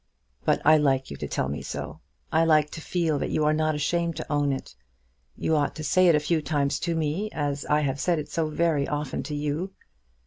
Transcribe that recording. "But I like you to tell me so. I like to feel that you are not ashamed to own it. You ought to say it a few times to me, as I have said it so very often to you."